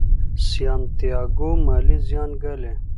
سانتیاګو مالي زیان ګالي.